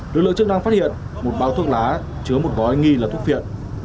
lực lượng chức năng phát hiện một báo thuốc lá chứa một gói nghi là thuốc phiện